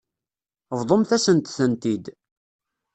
Bḍumt-asent-tent-id.